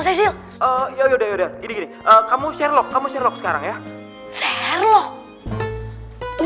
sesuai oh ya udah gini kamu sherlock kamu serok sekarang ya sherlock